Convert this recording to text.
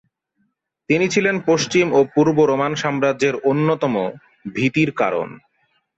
তিনি ছিলেন পশ্চিম ও পূর্ব রোমান সাম্রাজের অন্যতম ভীতির কারণ।